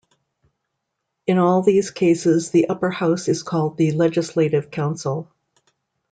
In all these cases the upper house is called the Legislative Council.